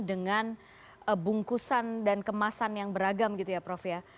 dengan bungkusan dan kemasan yang beragam gitu ya prof ya